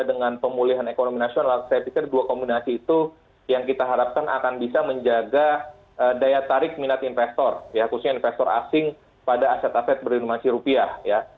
dengan pemulihan ekonomi nasional saya pikir dua kombinasi itu yang kita harapkan akan bisa menjaga daya tarik minat investor ya khususnya investor asing pada aset aset berinomasi rupiah ya